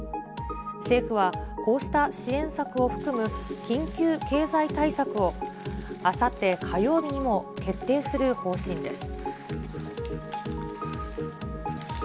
政府はこうした支援策を含む、緊急経済対策をあさって火曜日にも決定する方針です。